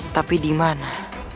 tapi di mana